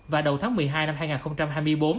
và đầu tháng một mươi hai năm hai nghìn hai mươi bốn